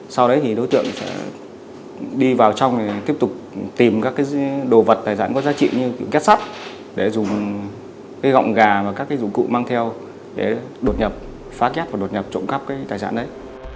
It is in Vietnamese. sau đấy thì đối tượng sẽ đi vào trong và tiếp tục tìm các đồ vật tài sản có giá trị như két sắt để dùng gọng gà và các dụng cụ mang theo để đột nhập phá két và đột nhập trộm khắp tài sản đấy